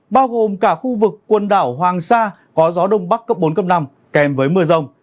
bao gồm cả khu vực quần đảo hoàng sa có gió đông bắc cấp bốn cấp năm kèm với mưa rông